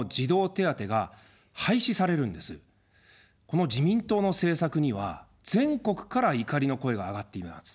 この自民党の政策には全国から怒りの声が上がっています。